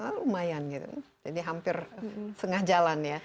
satu empat lumayan gitu jadi hampir setengah jalan ya